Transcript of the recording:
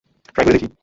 Try করে দেখি।